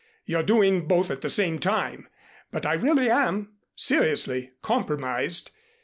You're doing both at the same time but I really am seriously compromised.